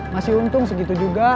masih untung segitu juga